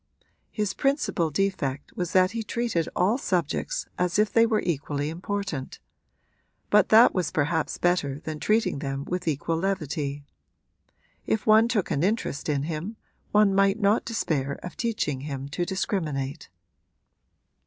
His principal defect was that he treated all subjects as if they were equally important; but that was perhaps better than treating them with equal levity. If one took an interest in him one might not despair of teaching him to discriminate.